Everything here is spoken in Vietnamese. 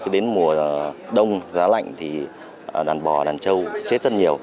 đến mùa đông giá lạnh thì đàn bò đàn trâu chết rất nhiều